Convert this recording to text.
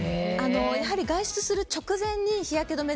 やはり外出する直前に日焼け止め